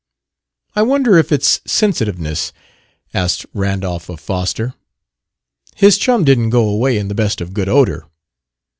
"I wonder if it's sensitiveness?" asked Randolph of Foster. "His chum didn't go away in the best of good odor...."